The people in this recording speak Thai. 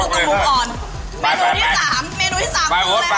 แต่เราจะไปเมนูต่อไปพี่น้องต้องรลบกว่า